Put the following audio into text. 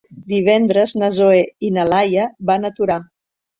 Divendres na Zoè i na Laia van a Torà.